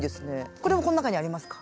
これもこの中にありますか？